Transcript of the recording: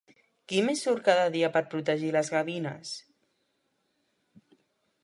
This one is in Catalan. Qui més surt cada dia per protegir les gavines?